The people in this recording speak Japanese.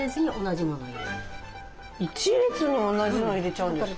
一列に同じの入れちゃうんですか？